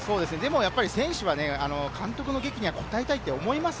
選手は監督の檄にはこたえたいと思いますよ。